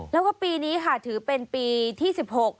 แล้วก็ปีนี้ค่ะถือเป็นปีที่๑๖